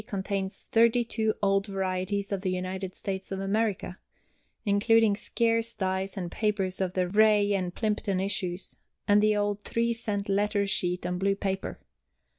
Contains 32 old varieties of the United States of America, including scarce dies and papers of the Reay and Plimpton issues, and the old 3 cent letter sheet on blue paper.